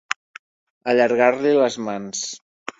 Allargar-li les mans.